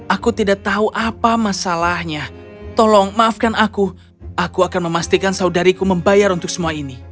aku tidak tahu apa masalahnya tolong maafkan aku aku akan memastikan saudariku membayar untuk semua ini